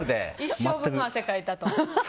一生分の汗をかいたと。